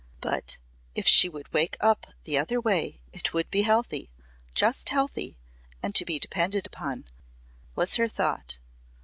"But if she would wake up the other way it would be healthy just healthy and to be depended upon," was her thought.